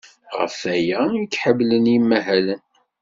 Ɣef waya i k-ḥemmlen yimahalen.